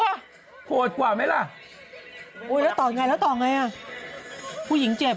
น่ากลัวโหดกว่าไหมล่ะแล้วต่อไงผู้หญิงเจ็บอ่ะ